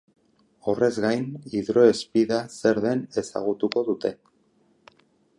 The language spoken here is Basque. Horrez gain, hidrospeeda zer den ezagutuko dute.